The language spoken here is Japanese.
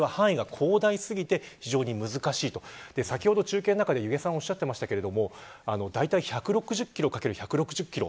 先ほど中継の中で弓削さんおっしゃっていましたが大体１６０キロ×１６０キロ